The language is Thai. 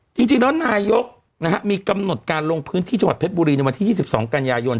จริงแล้วนายกมีกำหนดการลงพื้นที่จังหวัดเพชรบุรีในวันที่๒๒กันยายน